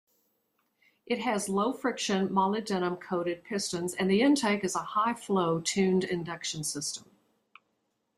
It has low-friction molybdenum-coated pistons and the intake is a high-flow tuned induction system.